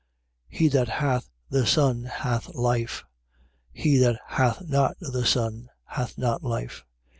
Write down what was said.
5:12. He that hath the Son hath life. He that hath not the Son hath not life.